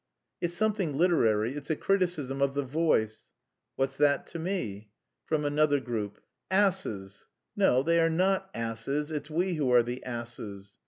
"It's something literary. It's a criticism of the Voice." "What's that to me?" From another group: "Asses!" "No, they are not asses; it's we who are the asses."